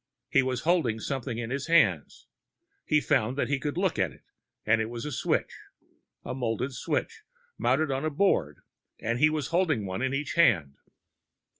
He was holding something in his hands. He found that he could look at it, and it was a switch. A molded switch, mounted on a board, and he was holding one in each hand.